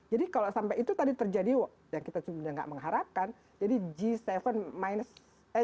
jadi kalau sampai itu tadi terjadi dan kita sudah tidak mengharapkan jadi g dua puluh minus tujuh ya